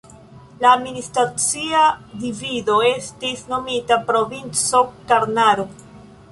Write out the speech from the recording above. La administracia divido estis nomita Provinco Karnaro.